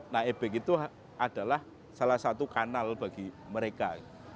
nah ebek itu adalah salah satu kanal bagi mereka